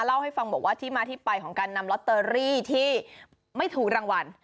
เล่าให้ฟังบอกว่าที่มาที่ไปของการนำลอตเตอรี่ที่ไม่ถูกรางวัล